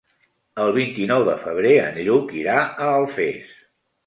El vint-i-nou de febrer en Lluc irà a Alfés.